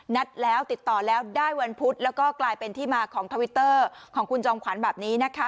นัดแล้วติดต่อแล้วได้วันพุธแล้วก็กลายเป็นที่มาของทวิตเตอร์ของคุณจอมขวัญแบบนี้นะคะ